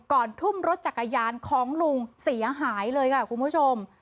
ทุ่มรถจักรยานของลุงเสียหายเลยค่ะคุณผู้ชม